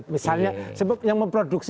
misalnya sebab yang memproduksi